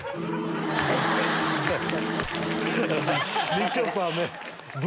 みちょぱブ！